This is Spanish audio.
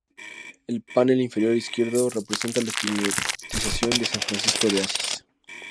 El panel inferior izquierdo representa la estigmatización de San Francisco de Asís.